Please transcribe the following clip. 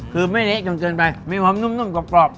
คือไม่เละจนเกินไปมีความนุ่มกรอบ